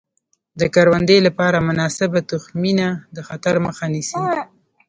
د کروندې لپاره مناسبه تخمینه د خطر مخه نیسي.